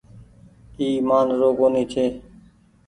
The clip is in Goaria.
اي مآن رو ڪونيٚ ڇي۔